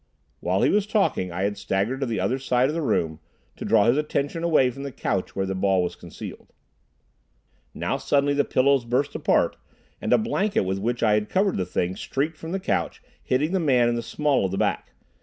While he was talking, I had staggered to the other side of the room, to draw his attention away from the couch where the ball was concealed. Now suddenly the pillows burst apart, and a blanket with which I had covered the thing streaked from the couch, hitting the man in the small of the back.